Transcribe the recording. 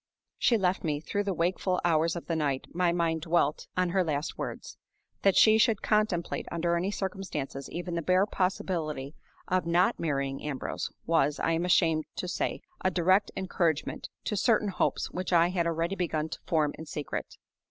She left me. Through the wakeful hours of the night my mind dwelt on her last words. That she should contemplate, under any circumstances, even the bare possibility of not marrying Ambrose, was, I am ashamed to say, a direct encouragement to certain hopes which I had already begun to form in secret.